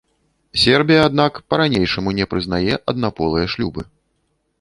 Сербія, аднак, па-ранейшаму не прызнае аднаполыя шлюбы.